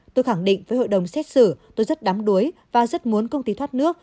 tôi khẳng định với hội đồng xét xử tôi rất đám đuối và rất muốn công ty thoát nước